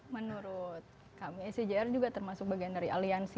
menurut kami icjr juga termasuk bagian dari aliansi sembilan puluh sembilan